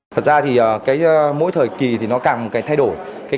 thật ra thì mỗi thời kỳ nó càng thay đổi